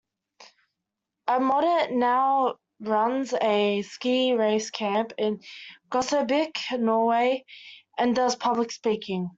Aamodt now runs a ski race camp in Gaustablikk, Norway, and does public speaking.